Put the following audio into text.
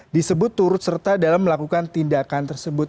disebut turut serta dalam melakukan tindakan tersebut